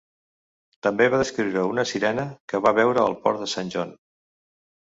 També va descriure una sirena que va veure al port de Saint John.